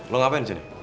lo ngapain disini